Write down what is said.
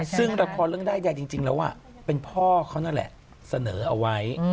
ซึ่งละครเรื่องด้ายแดงจริงแล้วเป็นพ่อเขานั่นแหละเสนอเอาไว้